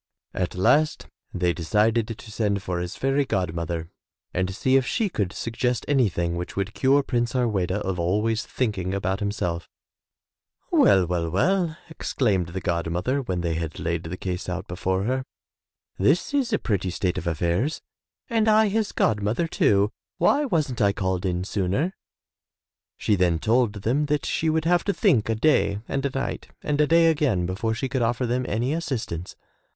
At last they decided to send for his fairy god mother and see if she could suggest anything which would cure Prince Har weda of always thinking about himself. "Well, well, well!" lArFrom In Storyland. Used by special arrangement with the author. 34 THROUGH FAIRY HALLS exclaimed the god mother when they had laid the case before her — "This is a pretty state of affairs! and I his god mother too! Why wasn't I called in sooner?*' She then told them that she would have to think a day and a night and a day again before she could offer them any assistance.